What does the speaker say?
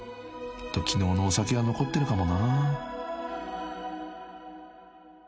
［昨日のお酒は残ってるかもなぁ］